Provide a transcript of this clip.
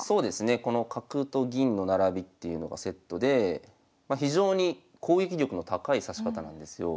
この角と銀の並びっていうのがセットで非常に攻撃力の高い指し方なんですよ。